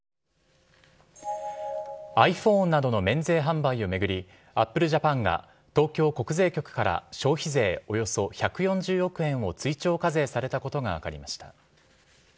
ｉｐｈｏｎｅなどの免税販売を巡り、アップルジャパンが東京国税局から消費税およそ１４０億円を追徴課税されたことが分かりました。